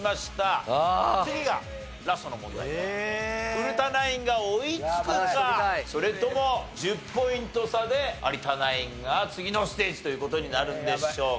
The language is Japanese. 古田ナインが追いつくかそれとも１０ポイント差で有田ナインが次のステージという事になるんでしょうか？